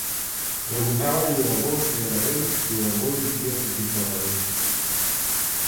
Preguntáballe ao avó se era el, e o avó dicía que si coa cabeza.